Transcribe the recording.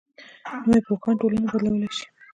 نوی پوهاند ټولنه بدلولی شي